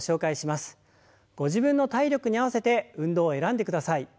ご自分の体力に合わせて運動を選んでください。